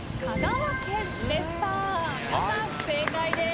皆さん正解です。